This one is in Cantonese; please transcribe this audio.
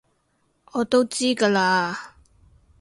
我都知㗎喇